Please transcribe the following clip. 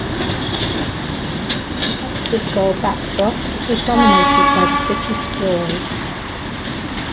The opposite goal backdrop is dominated by the city sprawl.